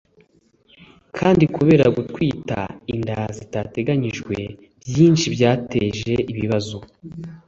kandi kubera gutwita inda zitateganyijwe nyinshi byateje ibibazo